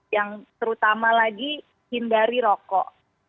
yang terutama lagi hindari rokok